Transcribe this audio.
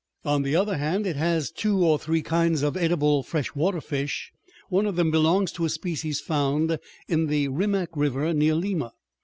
On the other hand, it has two or three kinds of edible fresh water fish. One of them belongs to a species found in the Rimac River near Lima.